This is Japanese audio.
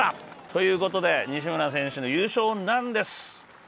ということで、西村選手の優勝なんです。